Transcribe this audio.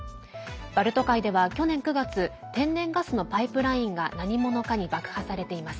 バルト海では、去年９月天然ガスのパイプラインが何者かに爆破されています。